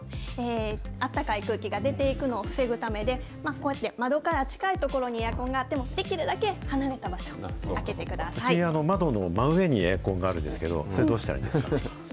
あったかい空気が出ていくのを防ぐためで、窓から近い所にエアコンがあっても、できるだけ離れた窓の真上にエアコンあるんですけど、それはどうしたらいいんですか。